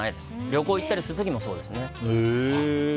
旅行行ったりする時もそうです。